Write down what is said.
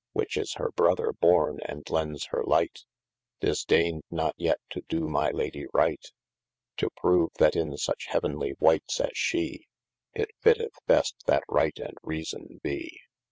Which is her brother borne and lendes hir light,) Disdaind not yet to do my Lady right: To prove that in such heavenly wightes as she, It fitteth best that right and reason be.